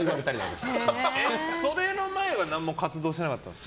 それの前は何も活動してなかったんですか？